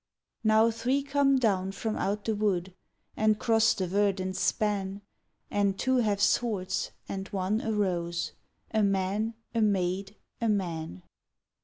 Now three come down from out the wood, And cross the verdant span; And two have swords and one a rose A man, a maid, a man.